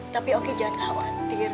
tapi oh ki jangan khawatir